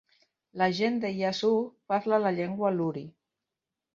La gent de Yasuj parla la llengua Luri.